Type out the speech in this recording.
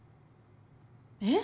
えっ？